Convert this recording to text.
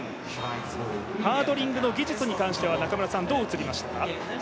ハードリングの技術に関してはどう映りましたか？